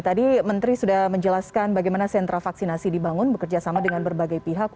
tadi menteri sudah menjelaskan bagaimana sentra vaksinasi dibangun bekerja sama dengan berbagai pihak